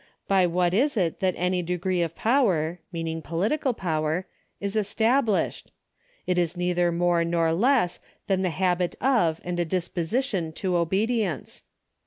By what is it that any degree of power (meaning political power) is established ? It is neither more nor less ... than a habit of and a disposition to obedience.